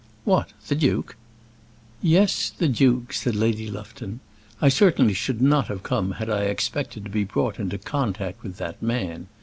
"What; the duke?" "Yes, the duke," said Lady Lufton. "I certainly should not have come had I expected to be brought in contact with that man.